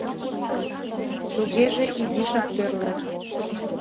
— Тугеже изишак тӧрлӧ...